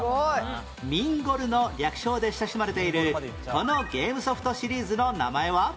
『みん ＧＯＬ』の略称で親しまれているこのゲームソフトシリーズの名前は？